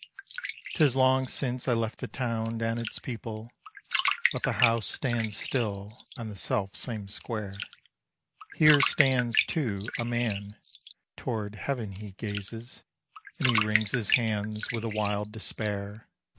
'Tis long since I left the town and its people, But the house stands still on the self same square. Here stands, too, a man; toward heaven he gazes, And he wrings his hands with a wild despair.